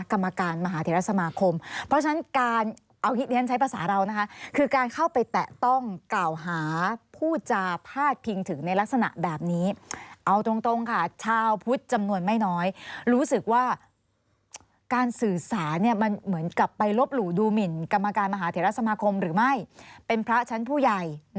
กรรมการมหาเถระสมาคมเพราะฉะนั้นการเอา